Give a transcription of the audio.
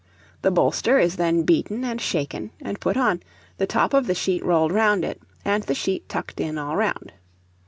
The bolster is then beaten and shaken, and put on, the top of the sheet rolled round it, and the sheet tucked in all round.